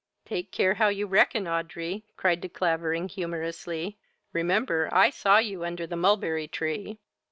"Take care how you reckon, Audrey, cried De Clavering, humourously,) remember I saw you under the mulberry tree."